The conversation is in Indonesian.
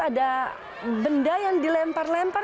ada benda yang dilempar lempar